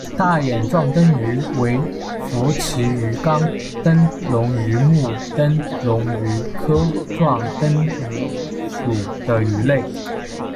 大眼壮灯鱼为辐鳍鱼纲灯笼鱼目灯笼鱼科壮灯鱼属的鱼类。